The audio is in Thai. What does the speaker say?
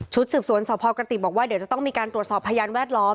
สืบสวนสพกระติกบอกว่าเดี๋ยวจะต้องมีการตรวจสอบพยานแวดล้อม